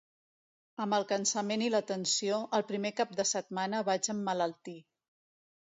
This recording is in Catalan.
Amb el cansament i la tensió, el primer cap de setmana vaig emmalaltir.